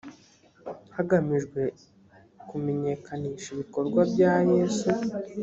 hagamijwe kumenyekanisha ibikorwa bya yesu